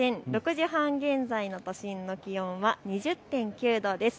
６時半現在の都心の気温は２０．９度です。